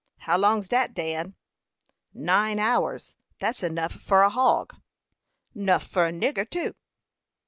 How long's dat, Dan?" "Nine hours; that's enough for a hog." "Nuff for a nigger too."